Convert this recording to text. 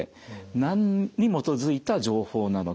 何に基づいた情報なのか。